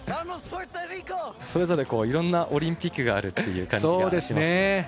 それぞれいろんなオリンピックがあるという感じがします。